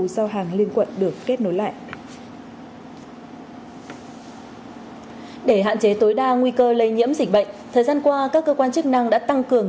để hạn chế tối đa nguy cơ lây nhiễm dịch bệnh thời gian qua các cơ quan chức năng đã tăng cường